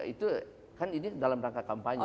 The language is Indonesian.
itu kan ini dalam rangka kampanye